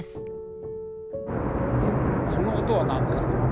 この音は何ですか？